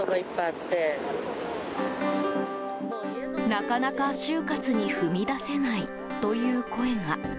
なかなか終活に踏み出せないという声が。